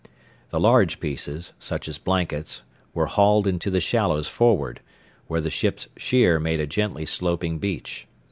The large pieces, such as blankets, were hauled into the shallows forward, where the ship's sheer made a gently sloping beach.